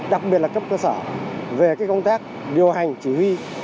đặc biệt là cấp cơ sở về công tác điều hành chỉ huy